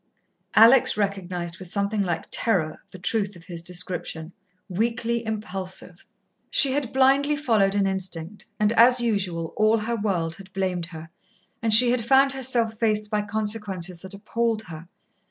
Alex recognized with something like terror the truth of his description. Weakly impulsive. She had blindly followed an instinct, and, as usual, all her world had blamed her and she had found herself faced by consequences that appalled her.